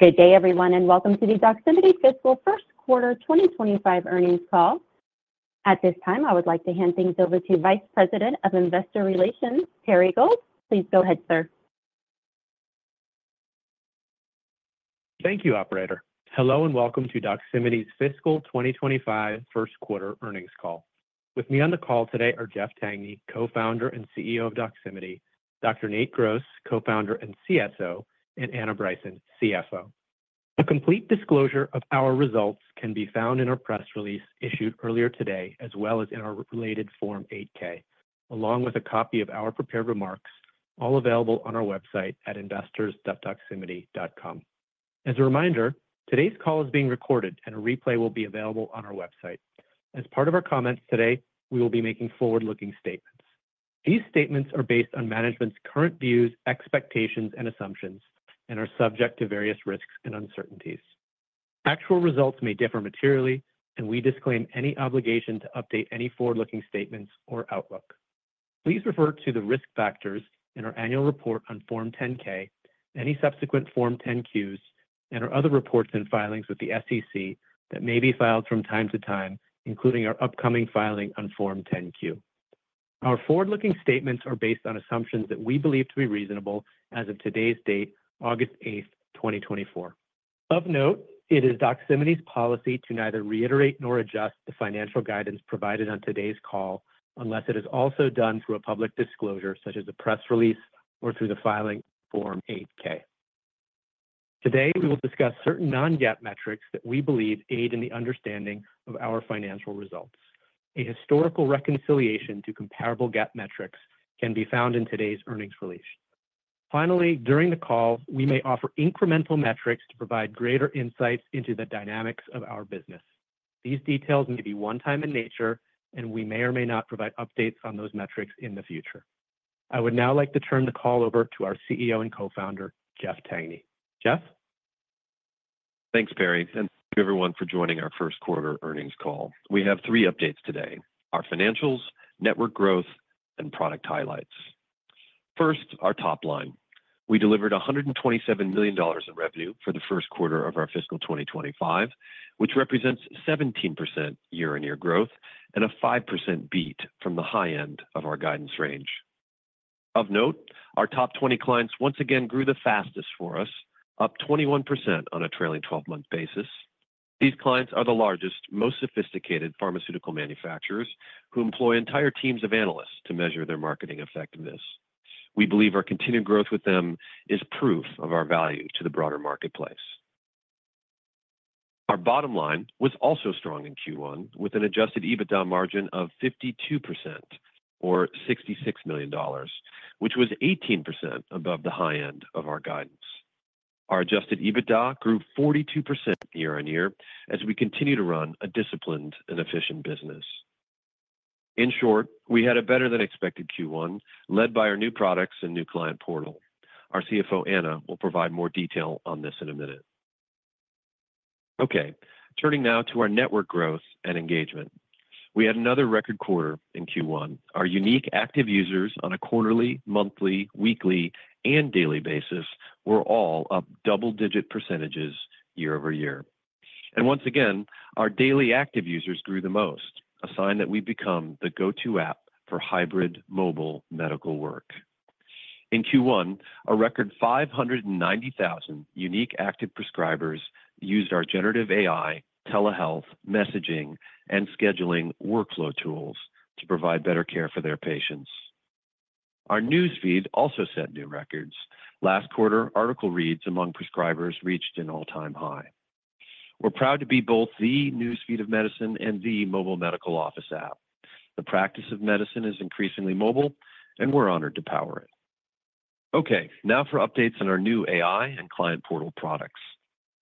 Good day, everyone, and welcome to the Doximity fiscal first quarter 2025 earnings call. At this time, I would like to hand things over to Vice President of Investor Relations, Perry Gold. Please go ahead, sir. Thank you, operator. Hello, and welcome to Doximity's fiscal 2025 first quarter earnings call. With me on the call today are Jeff Tangney, Co-founder and CEO of Doximity, Dr. Nate Gross, Co-founder and CSO, and Anna Bryson, CFO. A complete disclosure of our results can be found in our press release issued earlier today, as well as in our related Form 8-K, along with a copy of our prepared remarks, all available on our website at investors.doximity.com. As a reminder, today's call is being recorded and a replay will be available on our website. As part of our comments today, we will be making forward-looking statements. These statements are based on management's current views, expectations, and assumptions, and are subject to various risks and uncertainties. Actual results may differ materially, and we disclaim any obligation to update any forward-looking statements or outlook. Please refer to the risk factors in our annual report on Form 10-K, any subsequent Form 10-Qs, and/or other reports and filings with the SEC that may be filed from time to time, including our upcoming filing on Form 10-Q. Our forward-looking statements are based on assumptions that we believe to be reasonable as of today's date, August 8, 2024. Of note, it is Doximity's policy to neither reiterate nor adjust the financial guidance provided on today's call unless it is also done through a public disclosure, such as a press release or through the filing Form 8-K. Today, we will discuss certain non-GAAP metrics that we believe aid in the understanding of our financial results. A historical reconciliation to comparable GAAP metrics can be found in today's earnings release. Finally, during the call, we may offer incremental metrics to provide greater insights into the dynamics of our business. These details may be one-time in nature, and we may or may not provide updates on those metrics in the future. I would now like to turn the call over to our CEO and Co-founder, Jeff Tangney. Jeff? Thanks, Perry, and thank you, everyone, for joining our first quarter earnings call. We have three updates today: our financials, network growth, and product highlights. First, our top line. We delivered $127 million in revenue for the first quarter of our fiscal 2025, which represents 17% year-on-year growth and a 5% beat from the high end of our guidance range. Of note, our top 20 clients once again grew the fastest for us, up 21% on a trailing 12-month basis. These clients are the largest, most sophisticated pharmaceutical manufacturers who employ entire teams of analysts to measure their marketing effectiveness. We believe our continued growth with them is proof of our value to the broader marketplace. Our bottom line was also strong in Q1, with an Adjusted EBITDA margin of 52% or $66 million, which was 18% above the high end of our guidance. Our Adjusted EBITDA grew 42% year-over-year as we continue to run a disciplined and efficient business. In short, we had a better-than-expected Q1, led by our new products and new Client Portal. Our CFO, Anna, will provide more detail on this in a minute. Okay, turning now to our network growth and engagement. We had another record quarter in Q1. Our unique active users on a quarterly, monthly, weekly, and daily basis were all up double-digit percentages year-over-year. And once again, our Daily Active Users grew the most, a sign that we've become the go-to app for hybrid mobile medical work. In Q1, a record 590,000 unique active prescribers used our generative AI, telehealth, messaging, and scheduling workflow tools to provide better care for their patients. Our newsfeed also set new records. Last quarter, article reads among prescribers reached an all-time high. We're proud to be both the newsfeed of medicine and the mobile medical office app. The practice of medicine is increasingly mobile, and we're honored to power it. Okay, now for updates on our new AI and Client Portal products.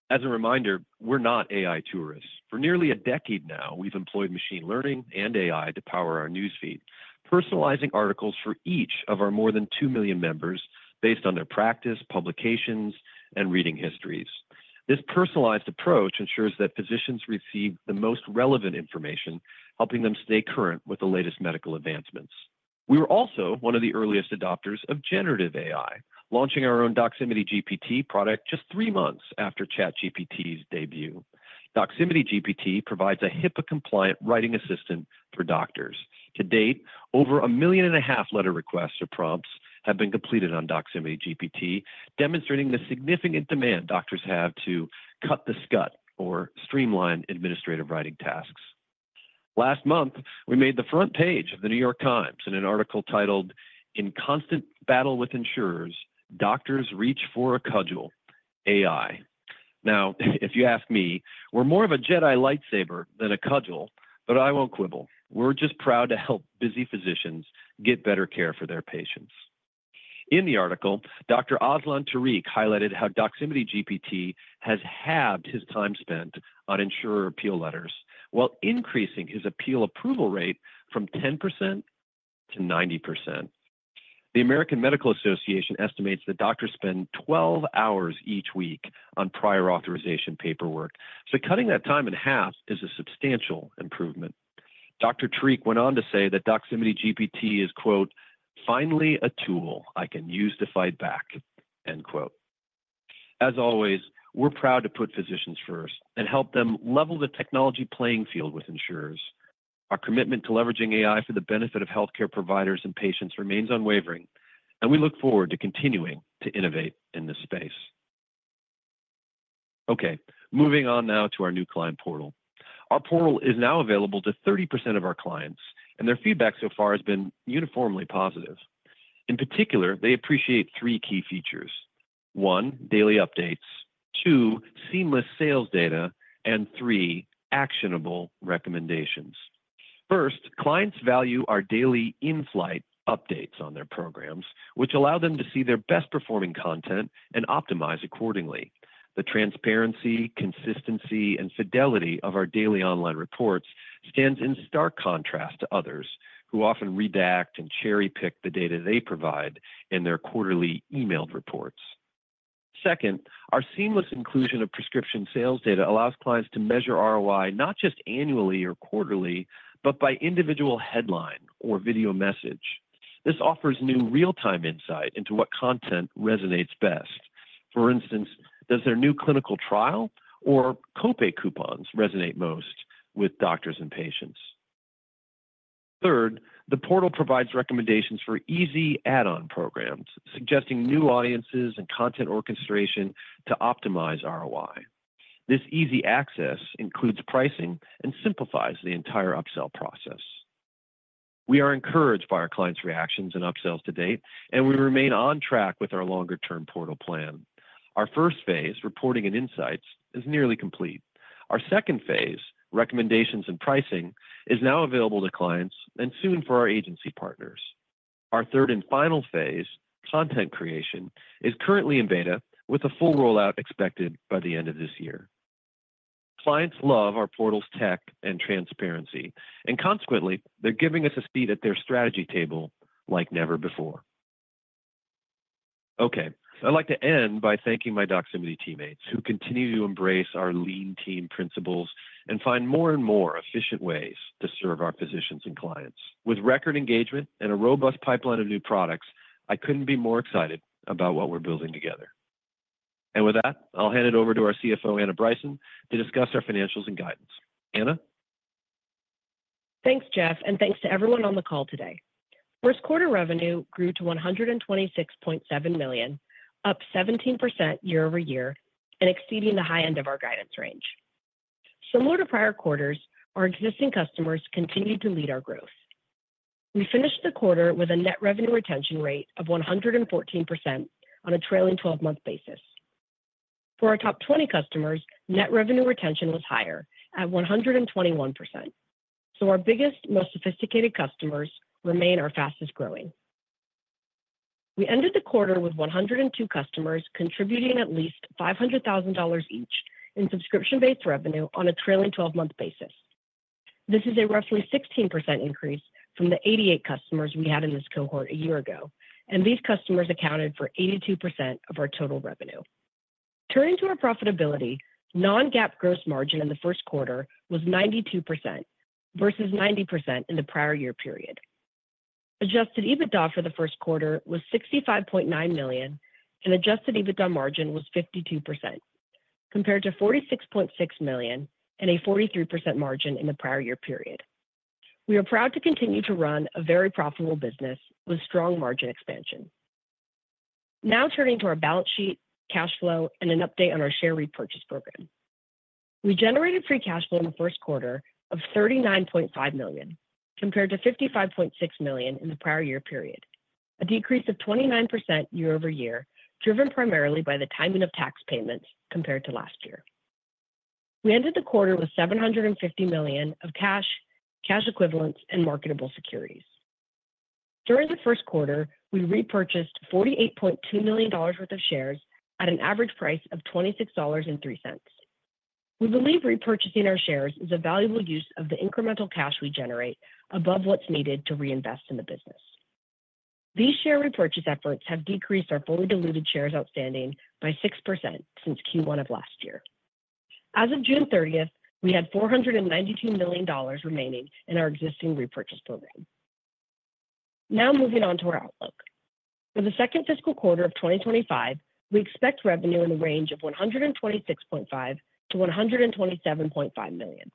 As a reminder, we're not AI tourists. For nearly a decade now, we've employed machine learning and AI to power our newsfeed, personalizing articles for each of our more than 2 million members based on their practice, publications, and reading histories. This personalized approach ensures that physicians receive the most relevant information, helping them stay current with the latest medical advancements. We were also one of the earliest adopters of generative AI, launching our own Doximity GPT product just three months after ChatGPT's debut. Doximity GPT provides a HIPAA-compliant writing assistant for doctors. To date, over 1.5 million letter requests or prompts have been completed on Doximity GPT, demonstrating the significant demand doctors have to cut the scut or streamline administrative writing tasks. Last month, we made the front page of The New York Times in an article titled, "In Constant Battle with Insurers, Doctors Reach for a Cudgel: AI." Now, if you ask me, we're more of a Jedi lightsaber than a cudgel, but I won't quibble. We're just proud to help busy physicians get better care for their patients. In the article, Dr. Aslan Tariq highlighted how Doximity GPT has halved his time spent on insurer appeal letters while increasing his appeal approval rate from 10% to 90%. The American Medical Association estimates that doctors spend 12 hours each week on prior authorization paperwork, so cutting that time in half is a substantial improvement. Dr. Tariq went on to say that Doximity GPT is, quote, "Finally, a tool I can use to fight back," end quote. As always, we're proud to put physicians first and help them level the technology playing field with insurers. Our commitment to leveraging AI for the benefit of healthcare providers and patients remains unwavering, and we look forward to continuing to innovate in this space. Okay, moving on now to our new Client Portal. Our portal is now available to 30% of our clients, and their feedback so far has been uniformly positive. In particular, they appreciate three key features: one, daily updates, two, seamless sales data, and three, actionable recommendations. First, clients value our daily in-flight updates on their programs, which allow them to see their best-performing content and optimize accordingly. The transparency, consistency, and fidelity of our daily online reports stands in stark contrast to others, who often redact and cherry-pick the data they provide in their quarterly emailed reports. Second, our seamless inclusion of prescription sales data allows clients to measure ROI, not just annually or quarterly, but by individual headline or video message. This offers new real-time insight into what content resonates best. For instance, does their new clinical trial or copay coupons resonate most with doctors and patients? Third, the portal provides recommendations for easy add-on programs, suggesting new audiences and content orchestration to optimize ROI. This easy access includes pricing and simplifies the entire upsell process. We are encouraged by our clients' reactions and upsells to date, and we remain on track with our longer-term portal plan. Our first phase, reporting and insights, is nearly complete. Our second phase, recommendations and pricing, is now available to clients and soon for our agency partners. Our third and final phase, content creation, is currently in beta, with a full rollout expected by the end of this year. Clients love our portal's tech and transparency, and consequently, they're giving us a seat at their strategy table like never before. Okay, I'd like to end by thanking my Doximity teammates who continue to embrace our lean team principles and find more and more efficient ways to serve our physicians and clients. With record engagement and a robust pipeline of new products, I couldn't be more excited about what we're building together. With that, I'll hand it over to our CFO, Anna Bryson, to discuss our financials and guidance. Anna? Thanks, Jeff, and thanks to everyone on the call today. First quarter revenue grew to $126.7 million, up 17% year-over-year and exceeding the high end of our guidance range. Similar to prior quarters, our existing customers continued to lead our growth. We finished the quarter with a net revenue retention rate of 114% on a trailing twelve-month basis. For our top 20 customers, net revenue retention was higher at 121%. So our biggest, most sophisticated customers remain our fastest-growing. We ended the quarter with 102 customers, contributing at least $500,000 each in subscription-based revenue on a trailing twelve-month basis. This is a roughly 16% increase from the 88 customers we had in this cohort a year ago, and these customers accounted for 82% of our total revenue. Turning to our profitability, non-GAAP gross margin in the first quarter was 92% versus 90% in the prior year period. Adjusted EBITDA for the first quarter was $65.9 million, and adjusted EBITDA margin was 52%, compared to $46.6 million and a 43% margin in the prior year period. We are proud to continue to run a very profitable business with strong margin expansion. Now turning to our balance sheet, cash flow, and an update on our share repurchase program. We generated free cash flow in the first quarter of $39.5 million, compared to $55.6 million in the prior year period, a decrease of 29% year-over-year, driven primarily by the timing of tax payments compared to last year. We ended the quarter with $750 million of cash, cash equivalents, and marketable securities. During the first quarter, we repurchased $48.2 million worth of shares at an average price of $26.03. We believe repurchasing our shares is a valuable use of the incremental cash we generate above what's needed to reinvest in the business. These share repurchase efforts have decreased our fully diluted shares outstanding by 6% since Q1 of last year. As of June 30th, we had $492 million remaining in our existing repurchase program. Now, moving on to our outlook. For the second fiscal quarter of 2025, we expect revenue in the range of $126.5 million-$127.5 million,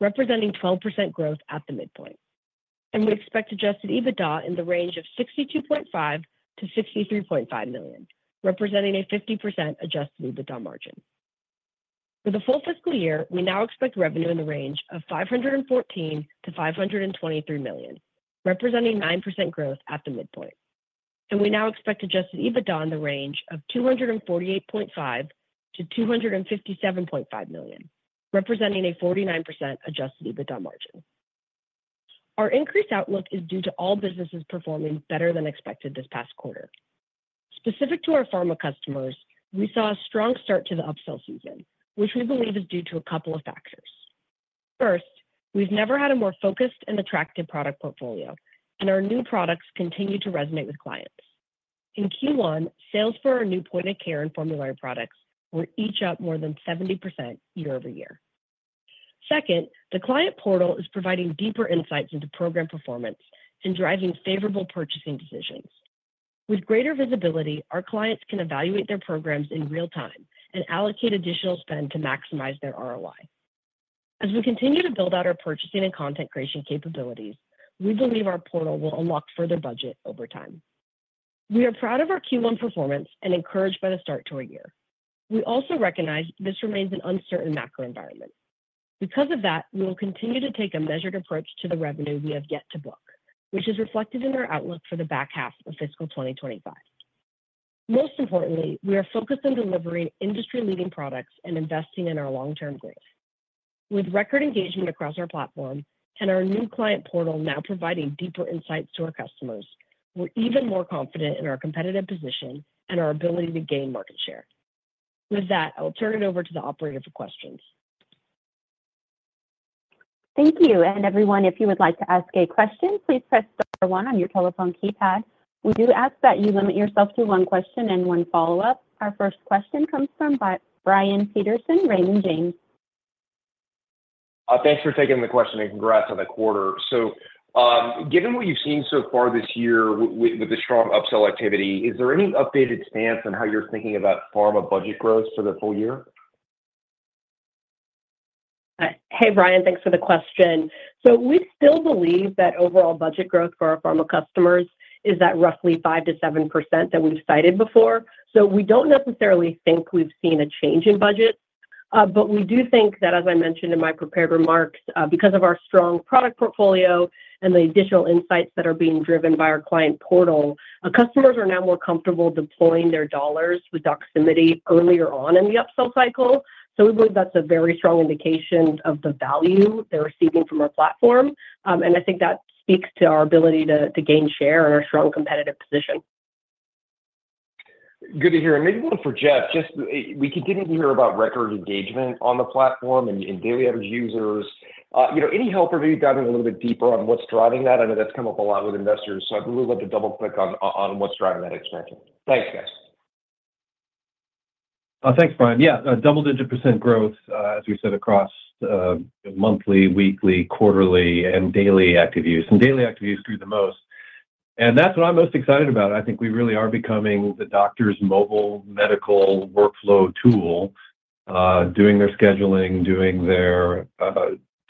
representing 12% growth at the midpoint. We expect Adjusted EBITDA in the range of $62.5 million-$63.5 million, representing a 50% Adjusted EBITDA margin. For the full fiscal year, we now expect revenue in the range of $514 million-$523 million, representing 9% growth at the midpoint. We now expect Adjusted EBITDA in the range of $248.5 million-$257.5 million, representing a 49% Adjusted EBITDA margin. Our increased outlook is due to all businesses performing better than expected this past quarter. Specific to our pharma customers, we saw a strong start to the upsell season, which we believe is due to a couple of factors. First, we've never had a more focused and attractive product portfolio, and our new products continue to resonate with clients.... In Q1, sales for our new point of care and formulary products were each up more than 70% year-over-year. Second, the Client Portal is providing deeper insights into program performance and driving favorable purchasing decisions. With greater visibility, our clients can evaluate their programs in real time and allocate additional spend to maximize their ROI. As we continue to build out our purchasing and content creation capabilities, we believe our portal will unlock further budget over time. We are proud of our Q1 performance and encouraged by the start to our year. We also recognize this remains an uncertain macro environment. Because of that, we will continue to take a measured approach to the revenue we have yet to book, which is reflected in our outlook for the back half of fiscal 2025. Most importantly, we are focused on delivering industry-leading products and investing in our long-term growth. With record engagement across our platform and our new Client Portal now providing deeper insights to our customers, we're even more confident in our competitive position and our ability to gain market share. With that, I will turn it over to the operator for questions. Thank you. And everyone, if you would like to ask a question, please press star one on your telephone keypad. We do ask that you limit yourself to one question and one follow-up. Our first question comes from Brian Peterson, Raymond James. Thanks for taking the question, and congrats on the quarter. So, given what you've seen so far this year with the strong upsell activity, is there any updated stance on how you're thinking about pharma budget growth for the full year? Hey, Brian, thanks for the question. So we still believe that overall budget growth for our pharma customers is at roughly 5%-7% that we've cited before. So we don't necessarily think we've seen a change in budget. But we do think that, as I mentioned in my prepared remarks, because of our strong product portfolio and the additional insights that are being driven by our Client Portal, our customers are now more comfortable deploying their dollars with Doximity earlier on in the upsell cycle. So we believe that's a very strong indication of the value they're receiving from our platform. And I think that speaks to our ability to gain share and our strong competitive position. Good to hear. And maybe one for Jeff. Just, we continue to hear about record engagement on the platform and, and daily average users. You know, any help or maybe diving a little bit deeper on what's driving that? I know that's come up a lot with investors, so I'd really like to double-click on, on what's driving that expansion. Thanks, guys. Thanks, Brian. Yeah, double-digit % growth, as we said, across monthly, weekly, quarterly, and daily active use, and daily active use grew the most. And that's what I'm most excited about. I think we really are becoming the doctor's mobile medical workflow tool, doing their scheduling, doing their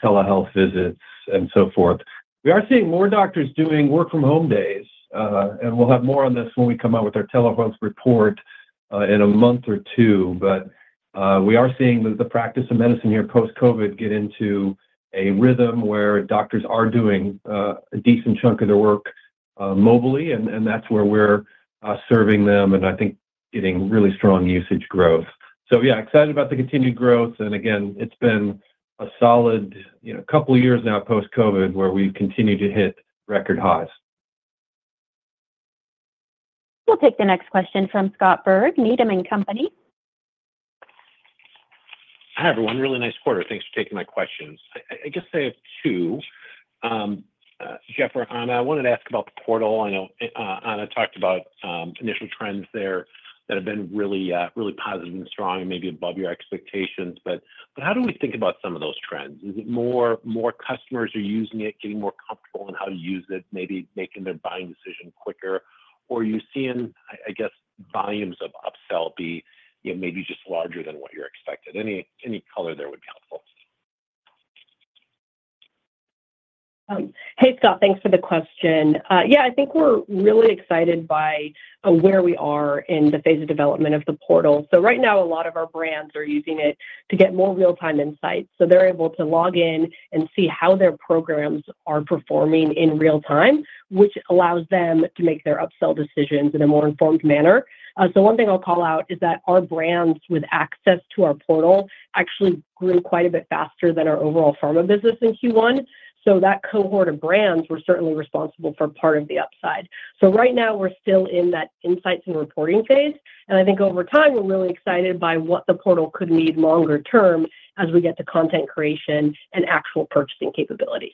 telehealth visits, and so forth. We are seeing more doctors doing work from home days, and we'll have more on this when we come out with our telehealth report, in a month or two. But we are seeing the practice of medicine here post-COVID get into a rhythm where doctors are doing a decent chunk of their work mobily, and that's where we're serving them, and I think getting really strong usage growth. Yeah, excited about the continued growth, and again, it's been a solid, you know, couple of years now post-COVID, where we've continued to hit record highs. We'll take the next question from Scott Berg, Needham & Company. Hi, everyone. Really nice quarter. Thanks for taking my questions. I guess I have two. Jeff or Anna, I wanted to ask about the portal. I know, Anna talked about initial trends there that have been really positive and strong and maybe above your expectations, but how do we think about some of those trends? Is it more customers are using it, getting more comfortable on how to use it, maybe making their buying decision quicker? Or are you seeing, I guess, volumes of upsell, you know, maybe just larger than what you're expected? Any color there would be helpful. Hey, Scott, thanks for the question. Yeah, I think we're really excited by where we are in the phase of development of the portal. So right now, a lot of our brands are using it to get more real-time insights. So they're able to log in and see how their programs are performing in real time, which allows them to make their upsell decisions in a more informed manner. So one thing I'll call out is that our brands with access to our portal actually grew quite a bit faster than our overall pharma business in Q1. So that cohort of brands were certainly responsible for part of the upside. Right now, we're still in that insights and reporting phase, and I think over time, we're really excited by what the portal could mean longer term as we get to content creation and actual purchasing capabilities.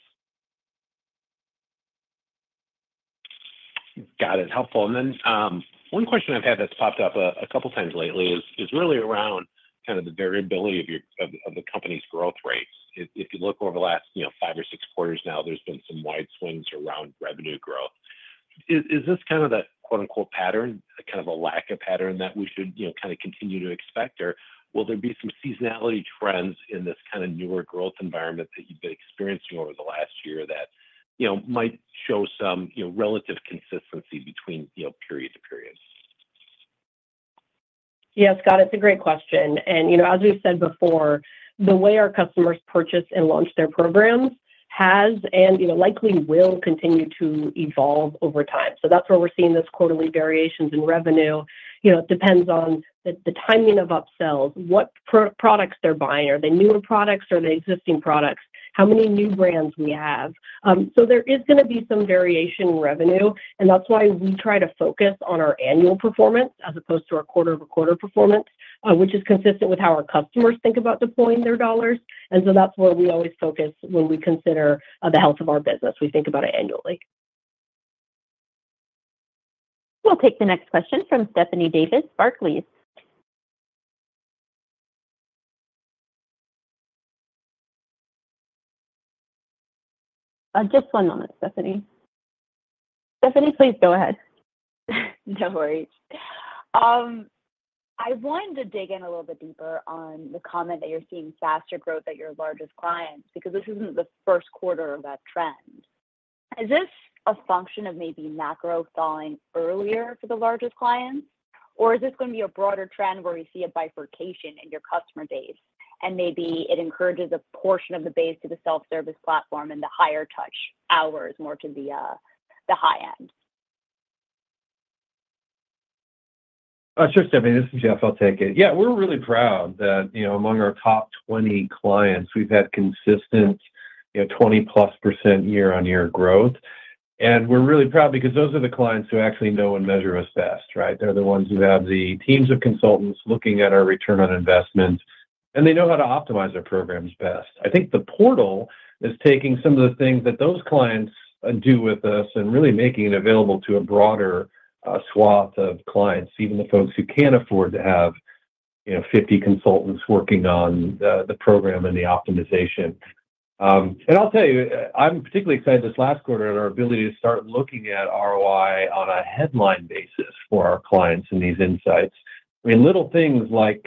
Got it. Helpful. And then, one question I've had that's popped up a couple of times lately is really around kind of the variability of your company's growth rates. If you look over the last, you know, 5 or 6 quarters now, there's been some wide swings around revenue growth. Is this kind of that quote, unquote, "pattern," a kind of a lack of pattern that we should, you know, kind of continue to expect? Or will there be some seasonality trends in this kind of newer growth environment that you've been experiencing over the last year that, you know, might show some, you know, relative consistency between, you know, period to period? Yeah, Scott, it's a great question, and, you know, as we've said before, the way our customers purchase and launch their programs has, and, you know, likely will continue to evolve over time. So that's where we're seeing this quarterly variations in revenue. You know, it depends on the timing of upsells, what products they're buying. Are they newer products? Are they existing products? How many new brands we have? So there is gonna be some variation in revenue, and that's why we try to focus on our annual performance as opposed to our quarter-over-quarter performance, which is consistent with how our customers think about deploying their dollars. And so that's where we always focus when we consider the health of our business. We think about it annually. We'll take the next question from Stephanie Davis, Barclays. Just one moment, Stephanie. Stephanie, please go ahead. No worries. I wanted to dig in a little bit deeper on the comment that you're seeing faster growth at your largest clients, because this isn't the first quarter of that trend. Is this a function of maybe macro falling earlier for the largest clients, or is this gonna be a broader trend where we see a bifurcation in your customer base, and maybe it encourages a portion of the base to the self-service platform and the higher touch hours more to the, the high end? Sure, Stephanie, this is Jeff. I'll take it. Yeah, we're really proud that, you know, among our top 20 clients, we've had consistent, you know, 20%+ year-on-year growth. And we're really proud because those are the clients who actually know and measure us best, right? They're the ones who have the teams of consultants looking at our return on investment, and they know how to optimize their programs best. I think the portal is taking some of the things that those clients do with us and really making it available to a broader swath of clients, even the folks who can't afford to have, you know, 50 consultants working on the program and the optimization. And I'll tell you, I'm particularly excited this last quarter at our ability to start looking at ROI on a headline basis for our clients and these insights. I mean, little things like,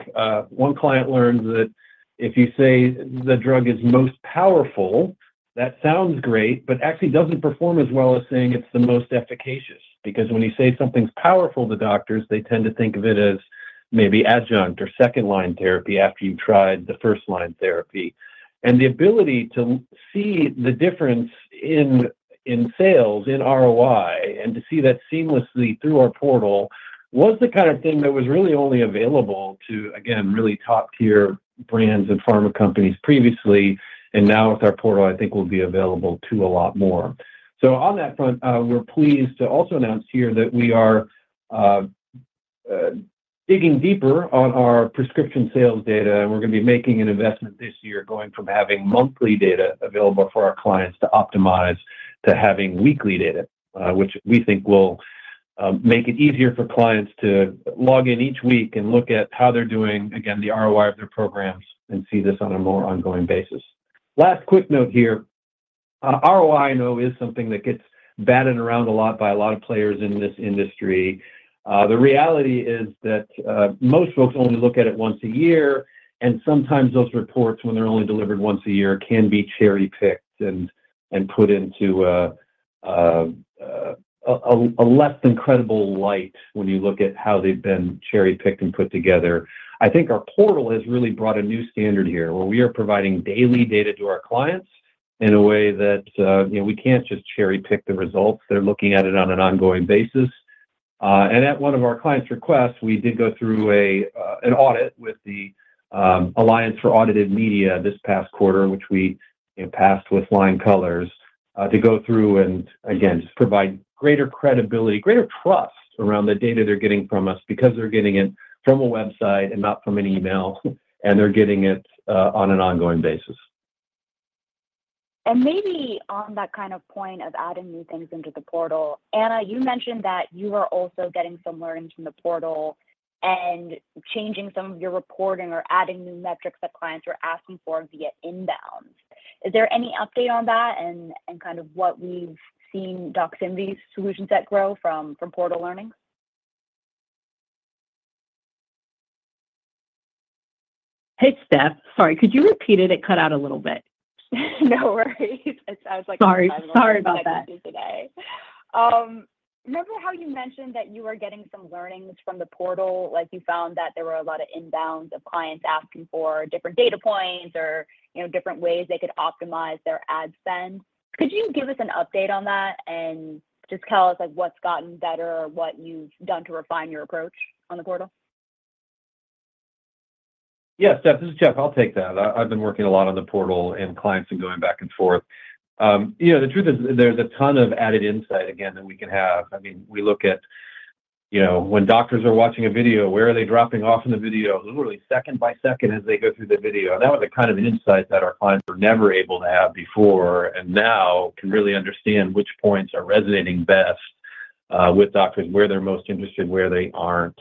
one client learned that if you say the drug is most powerful, that sounds great, but actually doesn't perform as well as saying it's the most efficacious. Because when you say something's powerful to doctors, they tend to think of it as maybe adjunct or second-line therapy after you've tried the first-line therapy. And the ability to see the difference in sales, in ROI, and to see that seamlessly through our portal, was the kind of thing that was really only available to, again, really top-tier brands and pharma companies previously. And now with our portal, I think will be available to a lot more. So on that front, we're pleased to also announce here that we are digging deeper on our prescription sales data, and we're gonna be making an investment this year, going from having monthly data available for our clients to optimize, to having weekly data, which we think will make it easier for clients to log in each week and look at how they're doing, again, the ROI of their programs and see this on a more ongoing basis. Last quick note here. ROI, I know, is something that gets batted around a lot by a lot of players in this industry. The reality is that most folks only look at it once a year, and sometimes those reports, when they're only delivered once a year, can be cherry-picked and put into a less incredible light when you look at how they've been cherry-picked and put together. I think our portal has really brought a new standard here, where we are providing daily data to our clients in a way that, you know, we can't just cherry-pick the results. They're looking at it on an ongoing basis. At one of our client's requests, we did go through an audit with the Alliance for Audited Media this past quarter, which we passed with flying colors to go through, and again, just provide greater credibility, greater trust around the data they're getting from us, because they're getting it from a website and not from an email, and they're getting it on an ongoing basis. Maybe on that kind of point of adding new things into the portal, Anna, you mentioned that you are also getting some learnings from the portal and changing some of your reporting or adding new metrics that clients are asking for via inbound. Is there any update on that, and, and kind of what we've seen Doximity's solutions set grow from, from portal learnings? Hey, Steph. Sorry, could you repeat it? It cut out a little bit. No worries. It sounds like- Sorry. Sorry about that. Today. Remember how you mentioned that you were getting some learnings from the portal, like you found that there were a lot of inbounds of clients asking for different data points or, you know, different ways they could optimize their ad spend? Could you give us an update on that and just tell us, like, what's gotten better or what you've done to refine your approach on the portal? Yeah, Steph, this is Jeff. I'll take that. I've been working a lot on the portal and clients and going back and forth. You know, the truth is, there's a ton of added insight again that we can have. I mean, we look at, you know, when doctors are watching a video, where are they dropping off in the video, literally second by second, as they go through the video. And that was the kind of insight that our clients were never able to have before, and now can really understand which points are resonating best with doctors, where they're most interested, where they aren't.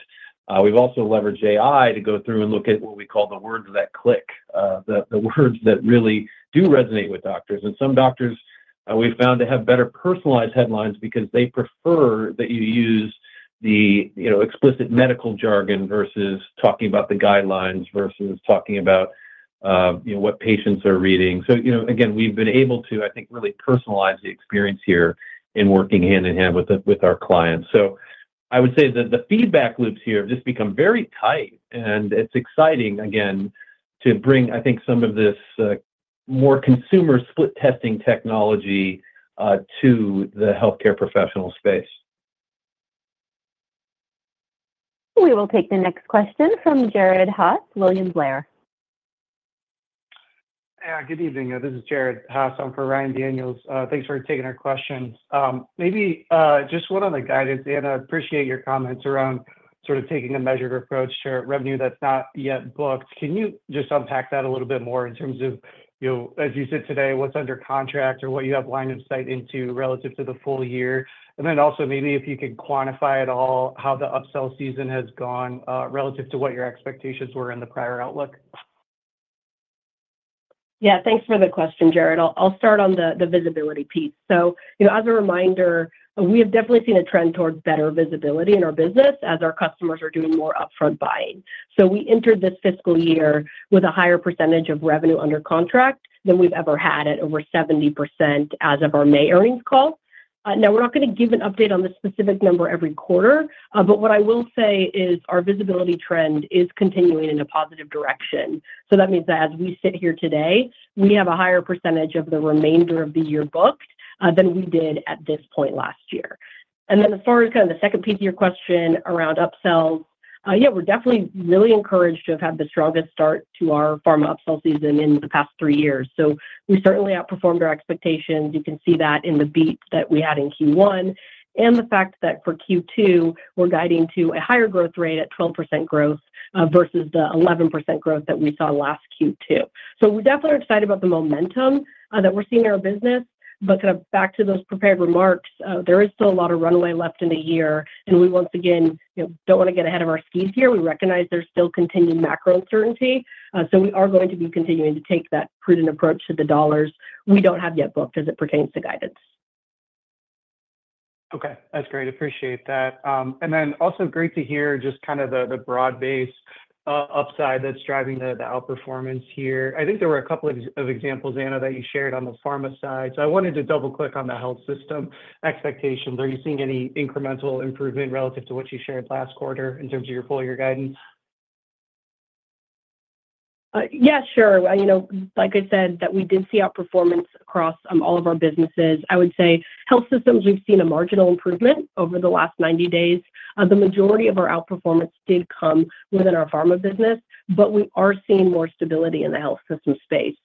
We've also leveraged AI to go through and look at what we call the words that click, the words that really do resonate with doctors. Some doctors, we've found to have better personalized headlines because they prefer that you use the, you know, explicit medical jargon, versus talking about the guidelines, versus talking about, you know, what patients are reading. So, you know, again, we've been able to, I think, really personalize the experience here in working hand in hand with our clients. So I would say that the feedback loops here have just become very tight, and it's exciting, again, to bring, I think, some of this more consumer split testing technology to the healthcare professional space. We will take the next question from Jared Haase, William Blair. Yeah. Good evening, this is Jared Haase. I'm for Ryan Daniels. Thanks for taking our questions. Maybe just one on the guidance. Anna, I appreciate your comments around sort of taking a measured approach to revenue that's not yet booked. Can you just unpack that a little bit more in terms of, you know, as you said today, what's under contract or what you have line of sight into relative to the full year? And then also maybe if you could quantify at all how the upsell season has gone, relative to what your expectations were in the prior outlook? Yeah, thanks for the question, Jared. I'll start on the visibility piece. So, you know, as a reminder, we have definitely seen a trend towards better visibility in our business as our customers are doing more upfront buying. So we entered this fiscal year with a higher percentage of revenue under contract than we've ever had, at over 70% as of our May earnings call. Now, we're not gonna give an update on the specific number every quarter, but what I will say is our visibility trend is continuing in a positive direction. So that means that as we sit here today, we have a higher percentage of the remainder of the year booked than we did at this point last year. And then as far as kind of the second piece of your question around upsells, yeah, we're definitely really encouraged to have had the strongest start to our pharma upsell season in the past three years, so we certainly outperformed our expectations. You can see that in the beats that we had in Q1, and the fact that for Q2, we're guiding to a higher growth rate at 12% growth, versus the 11% growth that we saw last Q2. So we definitely are excited about the momentum, that we're seeing in our business. But kind of back to those prepared remarks, there is still a lot of runway left in the year, and we once again, you know, don't wanna get ahead of our skis here. We recognize there's still continued macro uncertainty, so we are going to be continuing to take that prudent approach to the dollars we don't have yet booked as it pertains to guidance. Okay, that's great. Appreciate that. And then also great to hear just kind of the broad-based upside that's driving the outperformance here. I think there were a couple of examples, Anna, that you shared on the pharma side. So I wanted to double-click on the health system expectations. Are you seeing any incremental improvement relative to what you shared last quarter in terms of your full year guidance? Yeah, sure. You know, like I said, that we did see outperformance across all of our businesses. I would say health systems, we've seen a marginal improvement over the last 90 days. The majority of our outperformance did come within our pharma business, but we are seeing more stability in the health system space.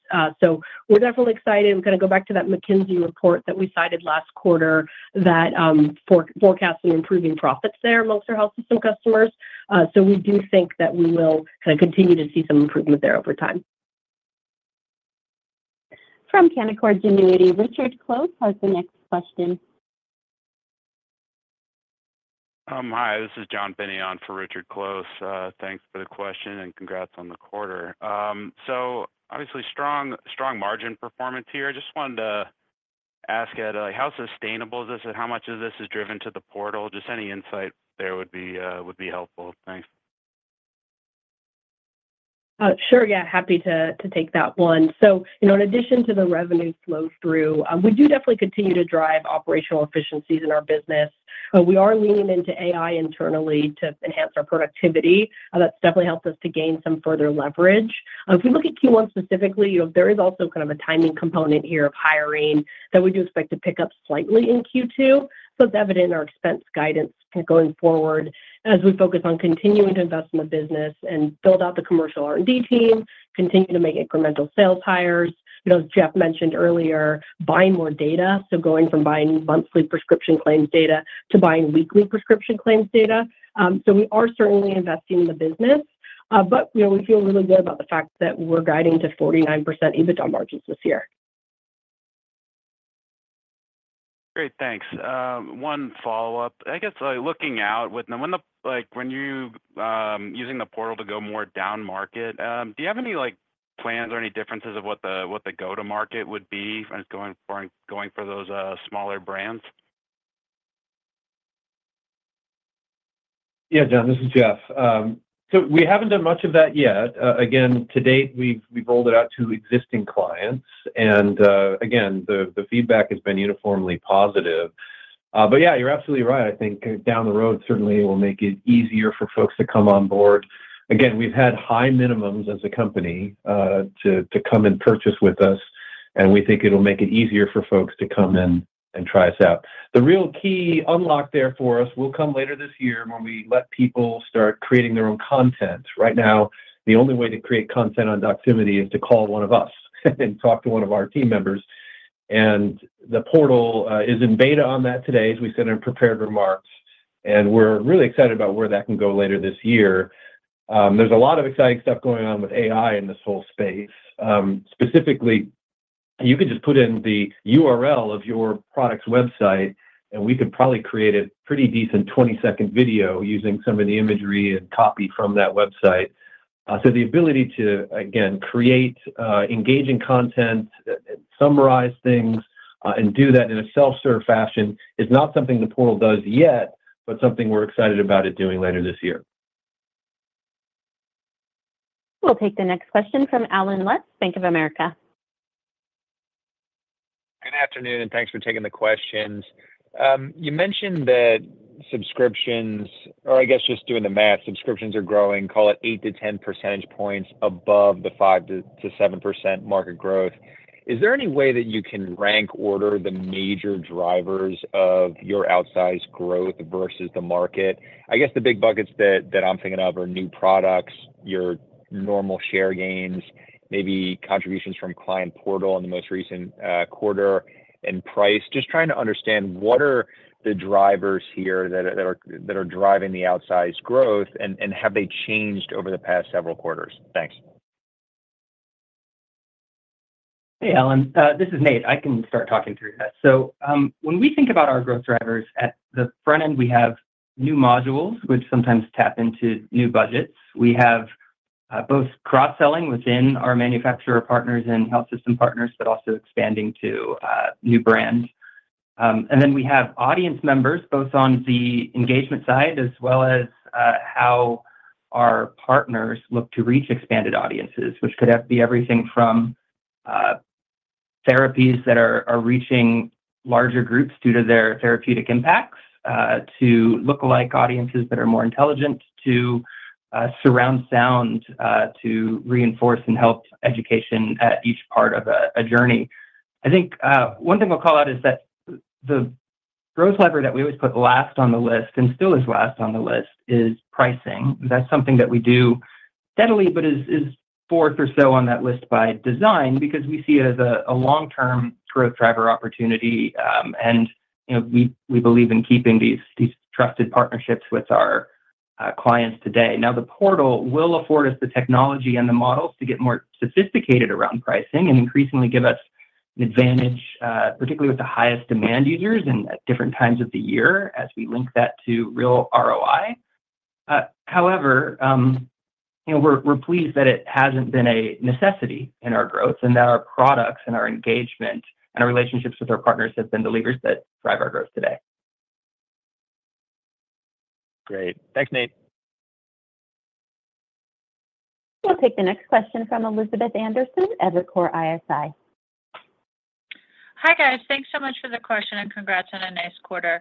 So we're definitely excited. I'm gonna go back to that McKinsey report that we cited last quarter that forecasting improving profits there amongst our health system customers. So we do think that we will kind of continue to see some improvement there over time. From Canaccord Genuity, Richard Close has the next question. Hi, this is John Pinney for Richard Close. Thanks for the question, and congrats on the quarter. So obviously strong, strong margin performance here. I just wanted to ask, how sustainable is this, and how much of this is driven to the portal? Just any insight there would be, would be helpful. Thanks. Sure. Yeah, happy to take that one. So, you know, in addition to the revenue flow-through, we do definitely continue to drive operational efficiencies in our business. We are leaning into AI internally to enhance our productivity. That's definitely helped us to gain some further leverage. If we look at Q1 specifically, you know, there is also kind of a timing component here of hiring that we do expect to pick up slightly in Q2. So it's evident in our expense guidance going forward as we focus on continuing to invest in the business and build out the commercial R&D team, continue to make incremental sales hires. You know, as Jeff mentioned earlier, buying more data, so going from buying monthly prescription claims data to buying weekly prescription claims data. So we are certainly investing in the business, but, you know, we feel really good about the fact that we're guiding to 49% EBITDA margins this year. Great, thanks. One follow-up. I guess, like, looking out, like, when you using the portal to go more down-market, do you have any, like, plans or any differences of what the, what the go-to-market would be as going for, going for those smaller brands? Yeah, John, this is Jeff. So we haven't done much of that yet. Again, to date, we've rolled it out to existing clients, and again, the feedback has been uniformly positive. But yeah, you're absolutely right. I think down the road, certainly it will make it easier for folks to come on board. Again, we've had high minimums as a company, to come and purchase with us, and we think it'll make it easier for folks to come in and try us out. The real key unlock there for us will come later this year when we let people start creating their own content. Right now, the only way to create content on Doximity is to call one of us and talk to one of our team members, and the portal is in beta on that today, as we said in prepared remarks, and we're really excited about where that can go later this year. There's a lot of exciting stuff going on with AI in this whole space. Specifically, you can just put in the URL of your product's website, and we can probably create a pretty decent 20-second video using some of the imagery and copy from that website. So the ability to, again, create engaging content, summarize things, and do that in a self-serve fashion is not something the portal does yet, but something we're excited about it doing later this year. We'll take the next question from Allen Lutz, Bank of America. Good afternoon, and thanks for taking the questions. You mentioned that subscriptions... Or I guess just doing the math, subscriptions are growing, call it 8-10 percentage points above the 5%-7% market growth. Is there any way that you can rank order the major drivers of your outsized growth versus the market? I guess the big buckets that I'm thinking of are new products, your normal share gains, maybe contributions from Client Portal in the most recent quarter, and price. Just trying to understand, what are the drivers here that are driving the outsized growth, and have they changed over the past several quarters? Thanks.... Hey, Allen, this is Nate. I can start talking through that. So, when we think about our growth drivers, at the front end, we have new modules, which sometimes tap into new budgets. We have both cross-selling within our manufacturer partners and health system partners, but also expanding to new brands. And then we have audience members, both on the engagement side, as well as how our partners look to reach expanded audiences, which could be everything from therapies that are reaching larger groups due to their therapeutic impacts to look-alike audiences that are more intelligent to surround sound to reinforce and help education at each part of a journey. I think, one thing I'll call out is that the growth lever that we always put last on the list, and still is last on the list, is pricing. That's something that we do steadily, but is fourth or so on that list by design, because we see it as a long-term growth driver opportunity. And, you know, we believe in keeping these trusted partnerships with our clients today. Now, the portal will afford us the technology and the models to get more sophisticated around pricing and increasingly give us an advantage, particularly with the highest demand users and at different times of the year, as we link that to real ROI. However, you know, we're pleased that it hasn't been a necessity in our growth, and that our products and our engagement and our relationships with our partners have been the levers that drive our growth today. Great. Thanks, Nate. We'll take the next question from Elizabeth Anderson at Evercore ISI. Hi, guys. Thanks so much for the question, and congrats on a nice quarter.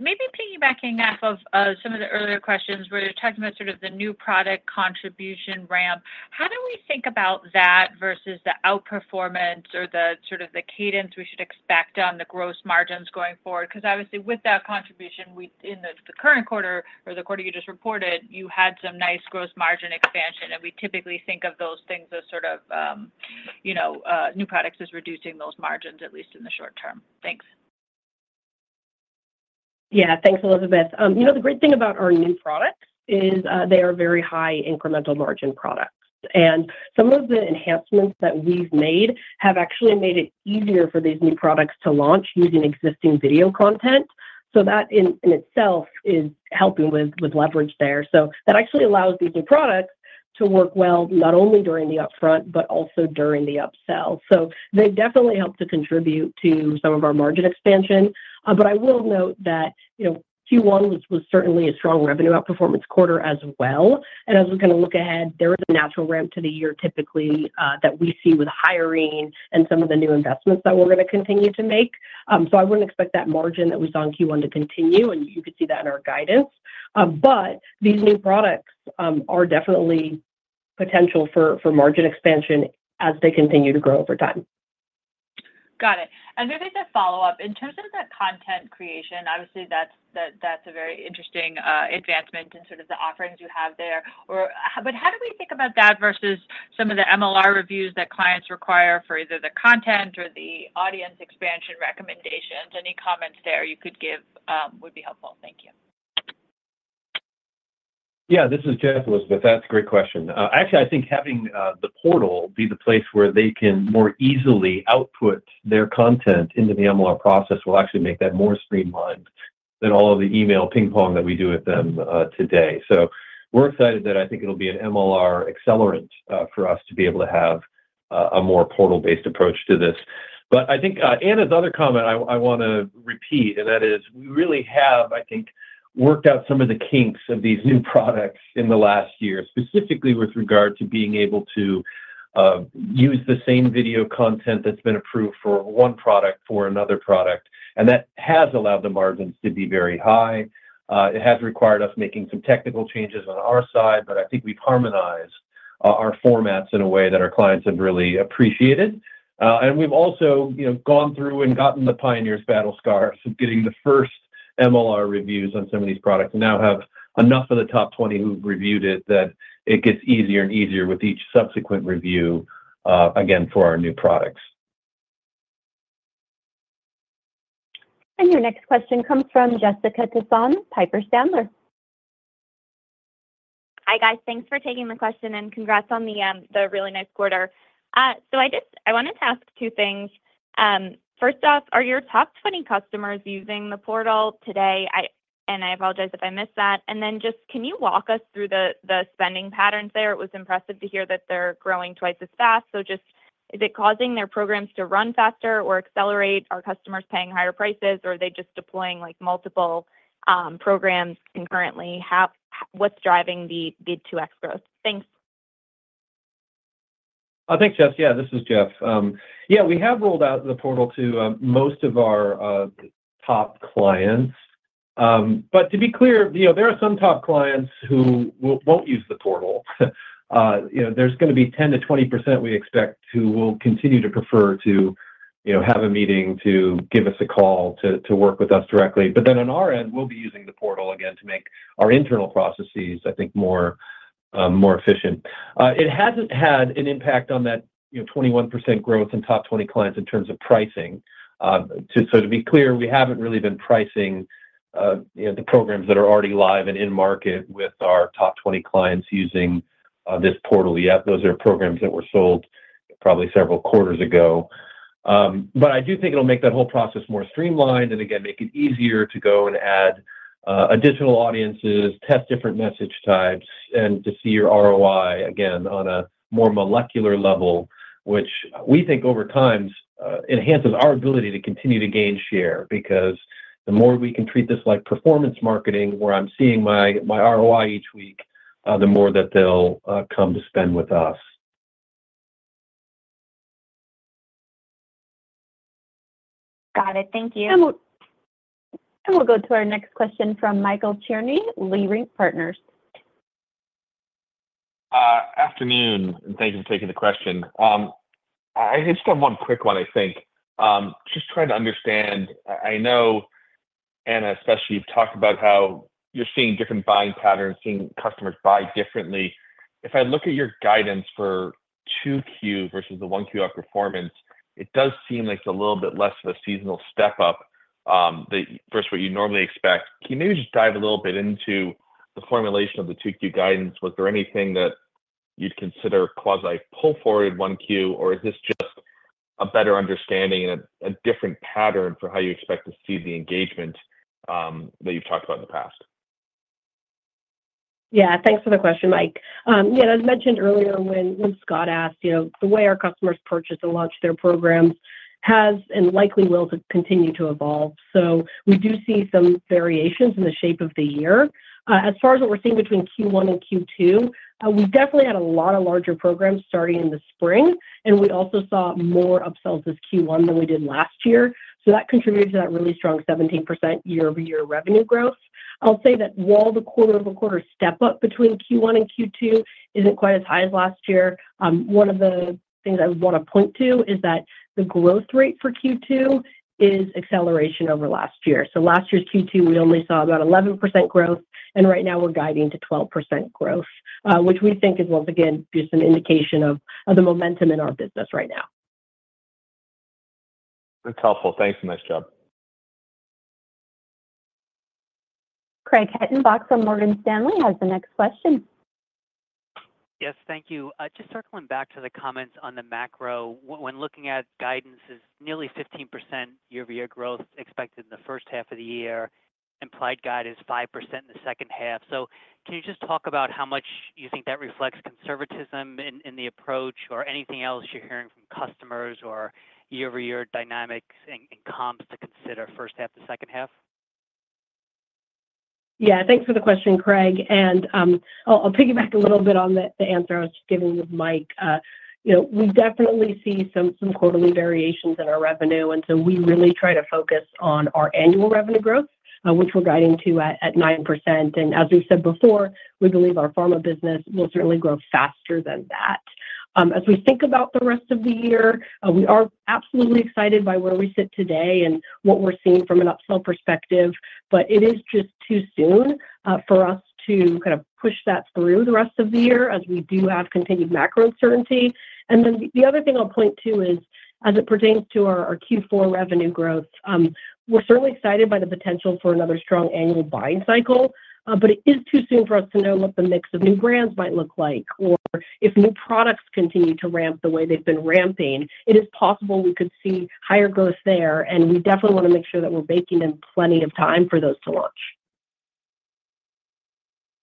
Maybe piggybacking off of some of the earlier questions, where you're talking about sort of the new product contribution ramp, how do we think about that versus the outperformance or the sort of the cadence we should expect on the gross margins going forward? Because obviously, with that contribution, we in the current quarter or the quarter you just reported, you had some nice gross margin expansion, and we typically think of those things as sort of, you know, new products as reducing those margins, at least in the short term. Thanks. Yeah. Thanks, Elizabeth. You know, the great thing about our new products is they are very high incremental margin products. And some of the enhancements that we've made have actually made it easier for these new products to launch using existing video content. So that in itself is helping with leverage there. So that actually allows these new products to work well, not only during the upfront, but also during the upsell. So they've definitely helped to contribute to some of our margin expansion. But I will note that, you know, Q1 was certainly a strong revenue outperformance quarter as well. And as we're gonna look ahead, there is a natural ramp to the year, typically, that we see with hiring and some of the new investments that we're gonna continue to make. So I wouldn't expect that margin that we saw in Q1 to continue, and you could see that in our guidance. But these new products are definitely potential for margin expansion as they continue to grow over time. Got it. And maybe just a follow-up. In terms of that content creation, obviously, that's—that, that's a very interesting advancement in sort of the offerings you have there. But how do we think about that versus some of the MLR reviews that clients require for either the content or the audience expansion recommendations? Any comments there you could give would be helpful. Thank you. Yeah, this is Jeff, Elizabeth. That's a great question. Actually, I think having the portal be the place where they can more easily output their content into the MLR process will actually make that more streamlined than all of the email ping-pong that we do with them today. So we're excited that I think it'll be an MLR accelerant for us to be able to have a more portal-based approach to this. But I think Anna's other comment, I wanna repeat, and that is, we really have, I think, worked out some of the kinks of these new products in the last year, specifically with regard to being able to use the same video content that's been approved for one product for another product, and that has allowed the margins to be very high. It has required us making some technical changes on our side, but I think we've harmonized our formats in a way that our clients have really appreciated. And we've also, you know, gone through and gotten the pioneer's battle scars of getting the first MLR reviews on some of these products. We now have enough of the top 20 who've reviewed it, that it gets easier and easier with each subsequent review, again, for our new products. Your next question comes from Jessica Tassan, Piper Sandler. Hi, guys. Thanks for taking the question, and congrats on the really nice quarter. So I just... I wanted to ask 2 things. First off, are your top 20 customers using the portal today? And I apologize if I missed that. And then just, can you walk us through the spending patterns there? It was impressive to hear that they're growing twice as fast. So just, is it causing their programs to run faster or accelerate? Are customers paying higher prices, or are they just deploying, like, multiple programs concurrently? How what's driving the 2x growth? Thanks. Thanks, Jess. Yeah, this is Jeff. Yeah, we have rolled out the portal to most of our top clients. But to be clear, you know, there are some top clients who won't use the portal. You know, there's gonna be 10%-20%, we expect, who will continue to prefer to, you know, have a meeting, to give us a call, to work with us directly. But then, on our end, we'll be using the portal again to make our internal processes, I think, more efficient. It hasn't had an impact on that, you know, 21% growth in top 20 clients in terms of pricing. So to be clear, we haven't really been pricing-... you know, the programs that are already live and in market with our top 20 clients using this portal yet. Those are programs that were sold probably several quarters ago. But I do think it'll make that whole process more streamlined, and again, make it easier to go and add additional audiences, test different message types, and to see your ROI again on a more molecular level, which we think over times enhances our ability to continue to gain share. Because the more we can treat this like performance marketing, where I'm seeing my ROI each week, the more that they'll come to spend with us. Got it. Thank you. And we'll go to our next question from Michael Cherny, Leerink Partners. Afternoon, and thank you for taking the question. I just have one quick one, I think. Just trying to understand, I know, Anna, especially, you've talked about how you're seeing different buying patterns, seeing customers buy differently. If I look at your guidance for 2Q versus the 1Q outperformance, it does seem like a little bit less of a seasonal step up than versus what you'd normally expect. Can you maybe just dive a little bit into the formulation of the 2Q guidance? Was there anything that you'd consider quasi pull forward 1Q, or is this just a better understanding and a different pattern for how you expect to see the engagement that you've talked about in the past? Yeah, thanks for the question, Mike. Yeah, as mentioned earlier when, when Scott asked, you know, the way our customers purchase and launch their programs has and likely will continue to evolve. So we do see some variations in the shape of the year. As far as what we're seeing between Q1 and Q2, we definitely had a lot of larger programs starting in the spring, and we also saw more upsells this Q1 than we did last year, so that contributed to that really strong 17% year-over-year revenue growth. I'll say that while the quarter-over-quarter step up between Q1 and Q2 isn't quite as high as last year, one of the things I would wanna point to is that the growth rate for Q2 is acceleration over last year. So last year's Q2, we only saw about 11% growth, and right now we're guiding to 12% growth, which we think is, once again, just an indication of the momentum in our business right now. That's helpful. Thanks, nice job. Craig Hettenbach from Morgan Stanley has the next question. Yes, thank you. Just circling back to the comments on the macro, when looking at guidance is nearly 15% year-over-year growth expected in the first half of the year, implied guide is 5% in the second half. So can you just talk about how much you think that reflects conservatism in the approach, or anything else you're hearing from customers or year-over-year dynamics and comps to consider first half to second half? Yeah, thanks for the question, Craig, and I'll piggyback a little bit on the answer I was giving with Mike. You know, we definitely see some quarterly variations in our revenue, and so we really try to focus on our annual revenue growth, which we're guiding to at 9%. And as we said before, we believe our pharma business will certainly grow faster than that. As we think about the rest of the year, we are absolutely excited by where we sit today and what we're seeing from an upsell perspective, but it is just too soon for us to kind of push that through the rest of the year, as we do have continued macro uncertainty. And then the other thing I'll point to is, as it pertains to our Q4 revenue growth, we're certainly excited by the potential for another strong annual buying cycle, but it is too soon for us to know what the mix of new brands might look like, or if new products continue to ramp the way they've been ramping. It is possible we could see higher growth there, and we definitely wanna make sure that we're baking in plenty of time for those to launch.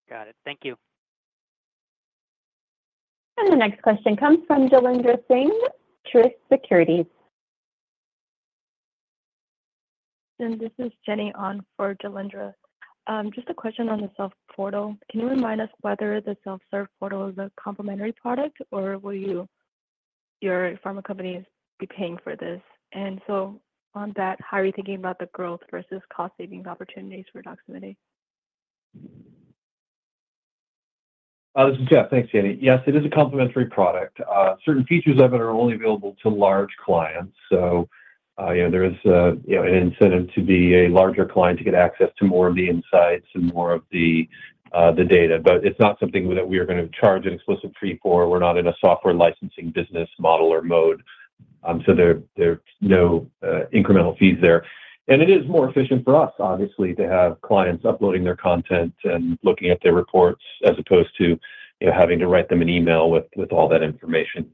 Got it. Thank you. The next question comes from Jailendra Singh, Truist Securities. This is Jenny on for Jailendra. Just a question on the self-serve portal. Can you remind us whether the self-serve portal is a complimentary product, or will you, your pharma companies be paying for this? And so on that, how are you thinking about the growth versus cost saving opportunities for Doximity? This is Jeff. Thanks, Jenny. Yes, it is a complimentary product. Certain features of it are only available to large clients. So, you know, there is, you know, an incentive to be a larger client to get access to more of the insights and more of the data. But it's not something that we are gonna charge an explicit fee for. We're not in a software licensing business model or mode, so there, there's no incremental fees there. And it is more efficient for us, obviously, to have clients uploading their content and looking at their reports, as opposed to, you know, having to write them an email with all that information.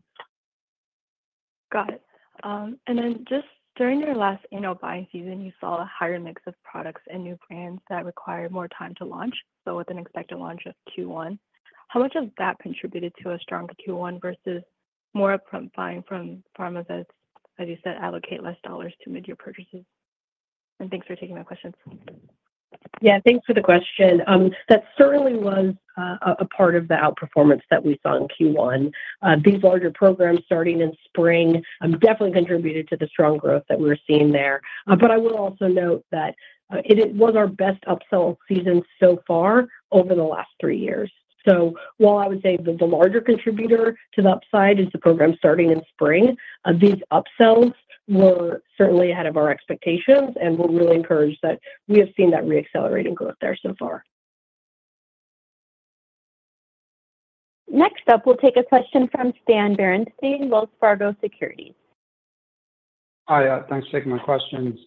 Got it. And then just during your last annual buying season, you saw a higher mix of products and new brands that required more time to launch, so with an expected launch of Q1. How much has that contributed to a stronger Q1 versus more upfront buying from pharma, that as you said, allocate less dollars to mid-year purchases? And thanks for taking my questions. Yeah, thanks for the question. That certainly was a part of the outperformance that we saw in Q1. These larger programs starting in spring definitely contributed to the strong growth that we're seeing there. But I will also note that it was our best upsell season so far over the last three years. So while I would say that the larger contributor to the upside is the program starting in spring, these upsells were certainly ahead of our expectations, and we're really encouraged that we have seen that reaccelerating growth there so far.... Next up, we'll take a question from Stan Berenshteyn, Wells Fargo Securities. Hi, thanks for taking my questions.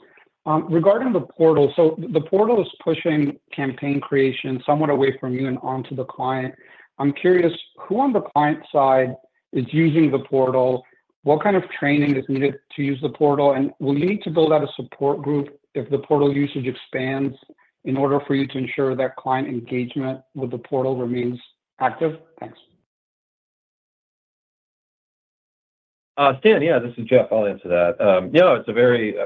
Regarding the portal, so the portal is pushing campaign creation somewhat away from you and onto the client. I'm curious, who on the client side is using the portal? What kind of training is needed to use the portal? And will you need to build out a support group if the portal usage expands, in order for you to ensure that client engagement with the portal remains active? Thanks. Stan, yeah, this is Jeff. I'll answer that. You know, it's a very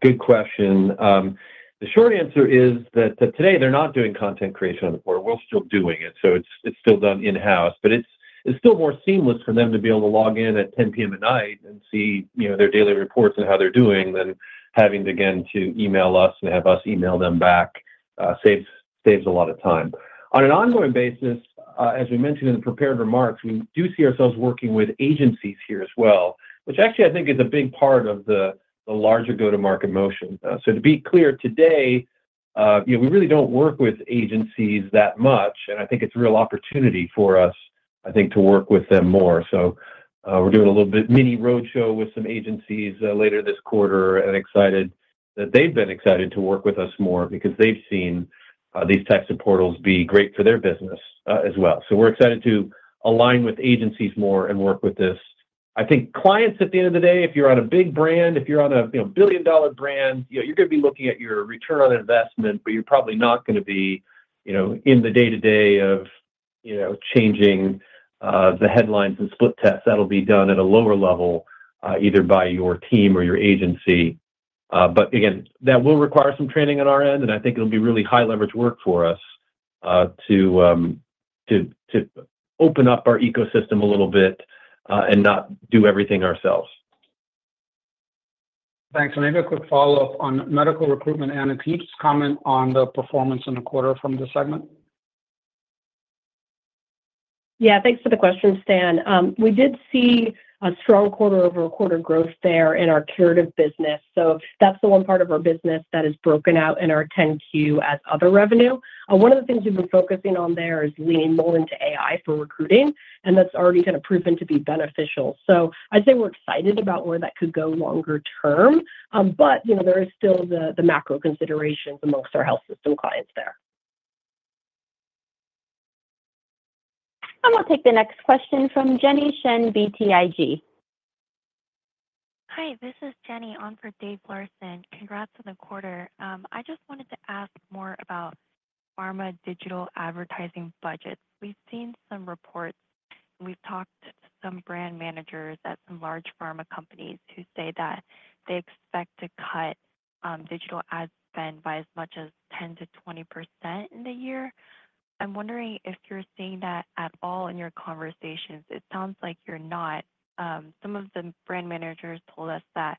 good question. The short answer is that today they're not doing content creation on the portal. We're still doing it, so it's still done in-house. But it's still more seamless for them to be able to log in at 10 P.M. at night and see, you know, their daily reports and how they're doing, than having to, again, to email us and have us email them back, saves a lot of time. On an ongoing basis, as we mentioned in the prepared remarks, we do see ourselves working with agencies here as well, which actually I think is a big part of the larger go-to-market motion. So to be clear, today, you know, we really don't work with agencies that much, and I think it's a real opportunity for us, I think, to work with them more. So, we're doing a little bit mini roadshow with some agencies, later this quarter, and excited that they've been excited to work with us more because they've seen, these types of portals be great for their business, as well. So we're excited to align with agencies more and work with this. I think clients, at the end of the day, if you're on a big brand, if you're on a, you know, billion-dollar brand, you know, you're gonna be looking at your return on investment, but you're probably not gonna be, you know, in the day-to-day of, you know, changing, the headlines and split tests. That'll be done at a lower level, either by your team or your agency. But again, that will require some training on our end, and I think it'll be really high-leverage work for us, to open up our ecosystem a little bit, and not do everything ourselves. Thanks. Maybe a quick follow-up on medical recruitment, and can you just comment on the performance in the quarter from the segment? Yeah, thanks for the question, Stan. We did see a strong quarter-over-quarter growth there in our Curative business, so that's the one part of our business that is broken out in our 10-Q as other revenue. One of the things we've been focusing on there is leaning more into AI for recruiting, and that's already kind of proven to be beneficial. So I'd say we're excited about where that could go longer term. But, you know, there is still the macro considerations amongst our health system clients there. We'll take the next question from Jenny Shen, BTIG. Hi, this is Jenny, on for Dave Larsen. Congrats on the quarter. I just wanted to ask more about pharma digital advertising budgets. We've seen some reports, and we've talked to some brand managers at some large pharma companies, who say that they expect to cut digital ad spend by as much as 10%-20% in the year. I'm wondering if you're seeing that at all in your conversations. It sounds like you're not. Some of the brand managers told us that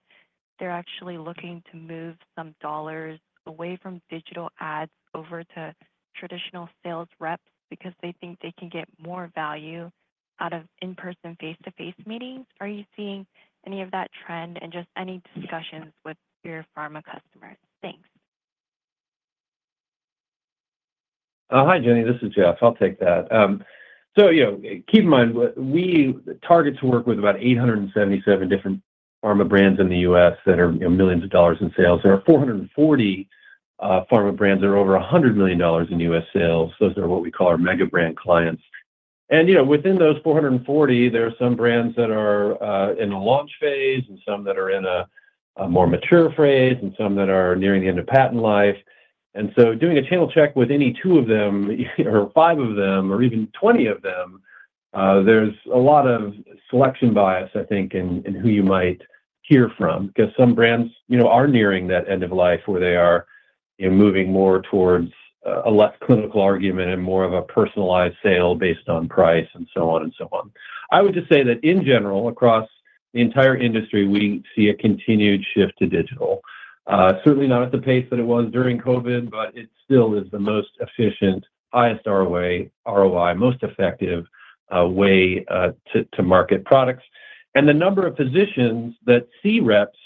they're actually looking to move some dollars away from digital ads over to traditional sales reps, because they think they can get more value out of in-person, face-to-face meetings. Are you seeing any of that trend, and just any discussions with your pharma customers? Thanks. Hi, Jenny, this is Jeff. I'll take that. So, you know, keep in mind, we target to work with about 877 different pharma brands in the US that are, you know, millions of dollars in sales. There are 440 pharma brands that are over $100 million in US sales. Those are what we call our mega brand clients. And, you know, within those 440, there are some brands that are in the launch phase and some that are in a more mature phase, and some that are nearing the end of patent life. And so doing a channel check with any two of them, or five of them, or even 20 of them, there's a lot of selection bias, I think, in who you might hear from. 'Cause some brands, you know, are nearing that end of life, where they are, you know, moving more towards a less clinical argument and more of a personalized sale based on price, and so on and so on. I would just say that in general, across the entire industry, we see a continued shift to digital. Certainly not at the pace that it was during COVID, but it still is the most efficient, highest ROI, most effective way to market products. And the number of physicians that see reps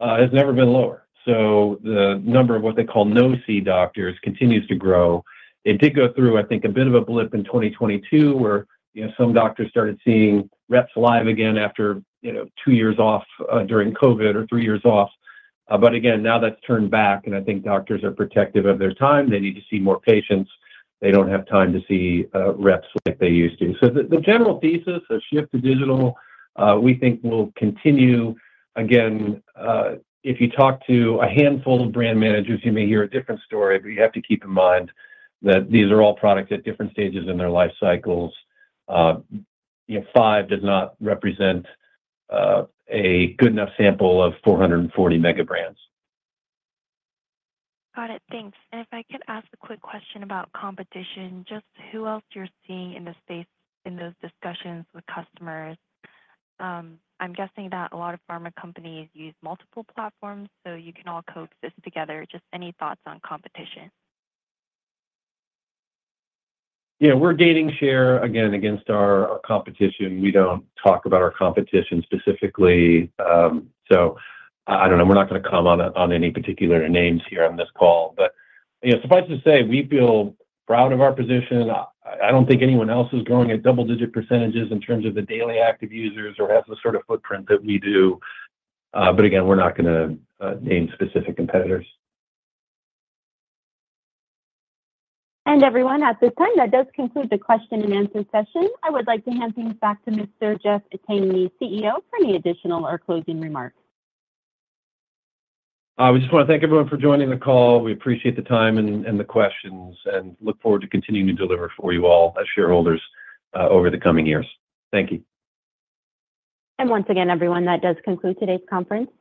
has never been lower. So the number of what they call no-see doctors continues to grow. It did go through, I think, a bit of a blip in 2022, where, you know, some doctors started seeing reps live again after, you know, two years off during COVID, or three years off. But again, now that's turned back, and I think doctors are protective of their time. They need to see more patients. They don't have time to see, reps like they used to. So the, the general thesis, a shift to digital, we think will continue. Again, if you talk to a handful of brand managers, you may hear a different story, but you have to keep in mind that these are all products at different stages in their life cycles. You know, 5 does not represent, a good enough sample of 440 mega brands. Got it. Thanks. If I could ask a quick question about competition, just who else you're seeing in the space in those discussions with customers? I'm guessing that a lot of pharma companies use multiple platforms, so you can all coexist together. Just any thoughts on competition? Yeah, we're gaining share, again, against our competition. We don't talk about our competition specifically. So, I don't know, we're not gonna comment on, on any particular names here on this call. But, you know, suffice to say, we feel proud of our position. I don't think anyone else is growing at double-digit percentages in terms of the daily active users or has the sort of footprint that we do, but again, we're not gonna name specific competitors. Everyone, at this time, that does conclude the question and answer session. I would like to hand things back to Mr. Jeff Tangney, CEO, for any additional or closing remarks. We just wanna thank everyone for joining the call. We appreciate the time and the questions, and look forward to continuing to deliver for you all as shareholders over the coming years. Thank you. Once again, everyone, that does conclude today's conference.